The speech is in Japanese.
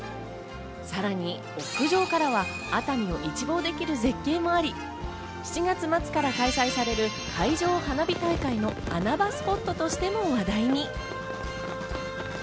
さらに屋上からは熱海を一望できる絶景もあり、７月末から開催される海上花火大会の穴場スポットとしても話題に。